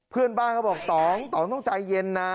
เพื่อนบ้านเขาบอกตองตองต้องใจเย็นนะ